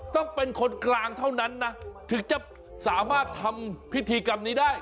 ต้องเป็นคนกลางเท่านั้นนะถึงจะสามารถทำพิธีกรรมนี้ได้